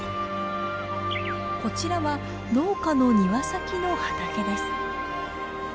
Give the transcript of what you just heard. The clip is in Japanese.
こちらは農家の庭先の畑です。